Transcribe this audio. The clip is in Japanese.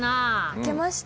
書けました。